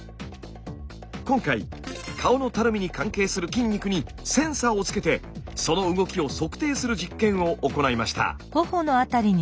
今回顔のたるみに関係する筋肉にセンサーを付けてその動きを測定する実験を行いました。